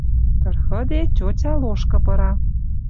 Тырхыде, тьотя лошкы пыра: